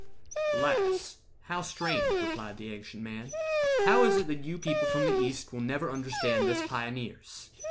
"Alas! how strange," replied the Ancient Man; "How is it that you people from the East Will never understand us pioneers?